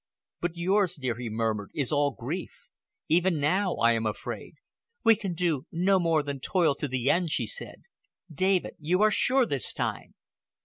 "But yours, dear," he murmured, "is all grief. Even now I am afraid." "We can do no more than toil to the end," she said. "David, you are sure this time?"